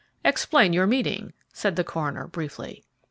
"Explain your meaning," said the coroner, briefly.